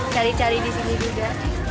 cari cari disini juga